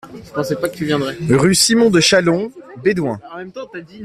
Rue Simon de Chalons, Bédoin